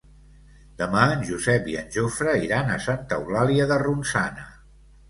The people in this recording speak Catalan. Demà en Josep i en Jofre iran a Santa Eulàlia de Ronçana.